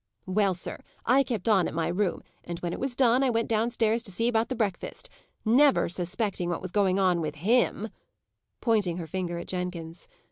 Well, sir, I kept on at my room, and when it was done I went downstairs to see about the breakfast, never suspecting what was going on with him" pointing her finger at Jenkins.